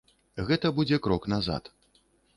Гэта будзе крок назад.